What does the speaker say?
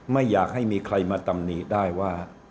ไม่อยากให้มีใครมาตำหนิได้ว่า